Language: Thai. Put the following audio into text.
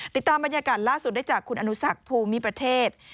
ติดตามบรรยากาศล่าสุดได้จากคุณอนุสักภูมิประเทศ